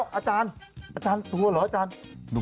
อาจารย์อาจารย์กลัวเหรออาจารย์